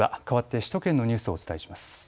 かわって首都圏のニュースをお伝えします。